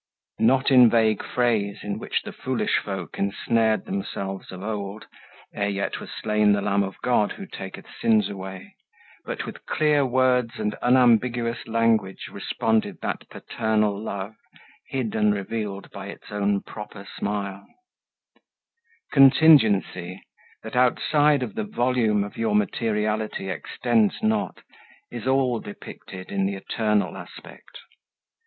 Not in vague phrase, in which the foolish folk Ensnared themselves of old, ere yet was slain The Lamb of God who taketh sins away, But with clear words and unambiguous Language responded that paternal love, Hid and revealed by its own proper smile: "Contingency, that outside of the volume Of your materiality extends not, Is all depicted in the eternal aspect.